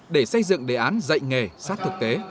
để xây dựng đề án dạy nghề sát thực tế